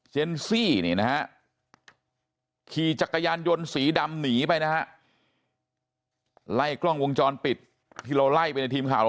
เจนซี่ขี่จักรยานยนต์สีดำหรือหนีไปไล่กล้องวงจองจรปิดที่เราไล่ในทีมข่าว